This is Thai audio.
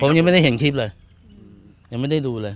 ผมยังไม่ได้เห็นคลิปเลยยังไม่ได้ดูเลย